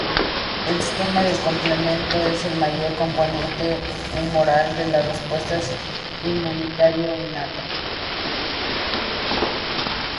El sistema del complemento es el mayor componente humoral de la respuesta inmunitario innata.